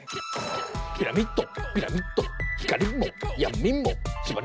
「ピラミッドピラミッド」「光も闇も」